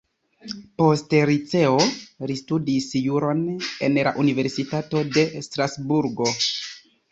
Poste liceo li studis juron en la universitato de Strasburgo.